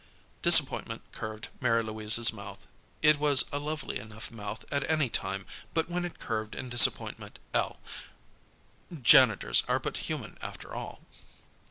Disappointment curved Mary Louise's mouth. It was a lovely enough mouth at any time, but when it curved in disappointment ell, janitors are but human, after all.